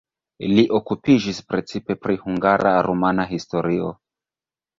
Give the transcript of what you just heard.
Li okupiĝis precipe pri hungara-rumana historio.